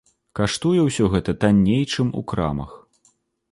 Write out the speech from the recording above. Каштуе ўсё гэта танней, чым у крамах.